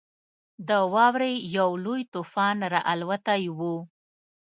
د واورې یو لوی طوفان راالوتی وو.